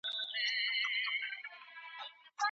د غاښونو طب چيري لوستل کیږي؟